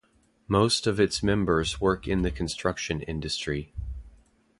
Most of its members work in the construction industry.